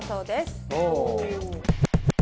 お。